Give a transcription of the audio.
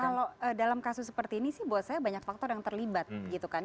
kalau dalam kasus seperti ini sih buat saya banyak faktor yang terlibat gitu kan